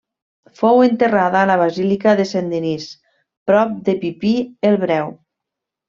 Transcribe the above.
Fou enterrada a la basílica de Saint-Denis, prop de Pipí el Breu.